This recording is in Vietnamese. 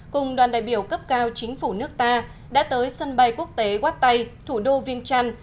cùng đoàn đại biểu cấp cao chính phủ nước ta đã tới sân bay quốc tế quát tây thủ đô viên trăn